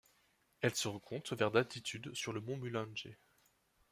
Elle se rencontre vers d'altitude sur le mont Mulanje.